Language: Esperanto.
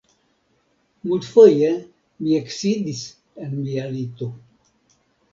Multfoje mi eksidis en mia lito.